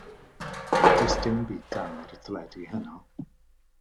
Does dim byd da ar y teledu heno.